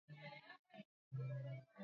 vingine vya lugha kama vile matamshi maumbo